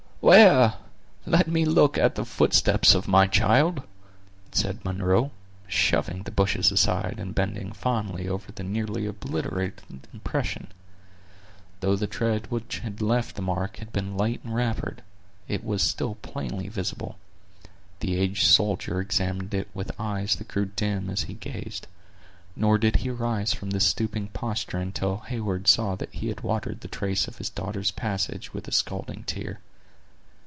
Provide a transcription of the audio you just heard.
"Where! let me look on the footsteps of my child," said Munro, shoving the bushes aside, and bending fondly over the nearly obliterated impression. Though the tread which had left the mark had been light and rapid, it was still plainly visible. The aged soldier examined it with eyes that grew dim as he gazed; nor did he rise from this stooping posture until Heyward saw that he had watered the trace of his daughter's passage with a scalding tear.